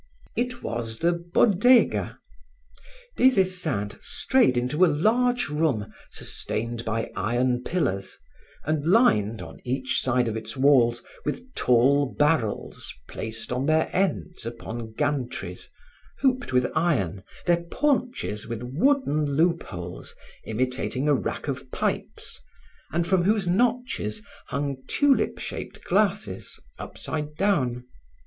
It was the Bodega. Des Esseintes strayed into a large room sustained by iron pillars and lined, on each side of its walls, with tall barrels placed on their ends upon gantries, hooped with iron, their paunches with wooden loopholes imitating a rack of pipes and from whose notches hung tulip shaped glasses, upside down.